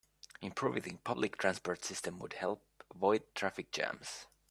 Improving the public transport system would help avoid traffic jams.